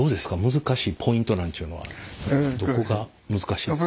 難しいポイントなんちゅうのはどこが難しいんですか？